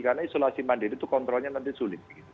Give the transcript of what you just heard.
karena isolasi mandiri itu kontrolnya nanti sulit